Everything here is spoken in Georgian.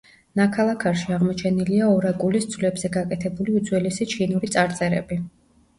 ნაქალაქარში აღმოჩენილია ორაკულის ძვლებზე გაკეთებული უძველესი ჩინური წარწერები.